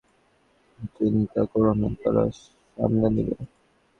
চিন্তা করো না, তারা সামলে নিবে।